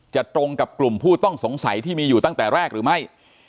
ตรงกับกลุ่มผู้ต้องสงสัยที่มีอยู่ตั้งแต่แรกหรือไม่